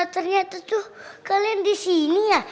ternyata tuh kalian disini ya